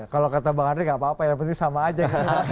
kalau kata bang ardi enggak apa apa ya pasti sama aja